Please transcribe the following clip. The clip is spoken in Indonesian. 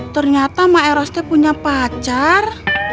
ternyata emak erasnya punya pacar